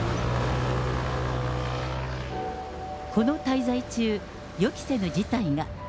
この滞在中、予期せぬ事態が。